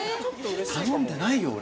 頼んでないよ俺。